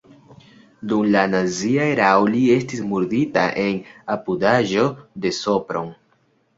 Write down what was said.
Dum la nazia erao li estis murdita en apudaĵo de Sopron.